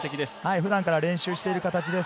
普段から練習している形です。